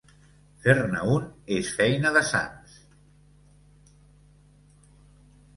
Fer-ne un és feina de sants.